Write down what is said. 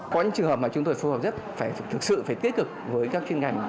có những trường hợp mà chúng tôi phù hợp nhất phải thực sự phải tích cực với các chuyên ngành